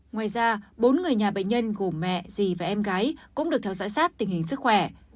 ngoài ra bốn người nhà bệnh nhân gồm mẹ dì và em gái cũng được theo dõi sát tình hình sức khỏe